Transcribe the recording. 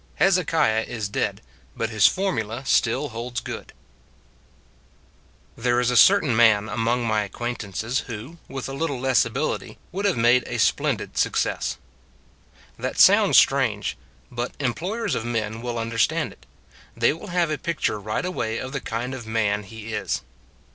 HEZEKIAH IS DEAD: BUT HIS FORMULA STILL HOLDS GOOD THERE is a certain man among my acquaintances who, with a little less ability, would have made a splendid suc cess. That sounds strange; but employers of men will understand it: they will have a picture right away of the kind of man he is.